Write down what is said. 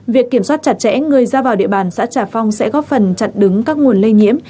việc kiểm soát chặt chẽ người ra vào địa bàn xã trà phong sẽ góp phần chặn đứng các nguồn lây nhiễm